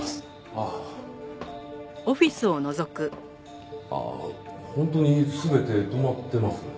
あっ本当に全て止まってますね。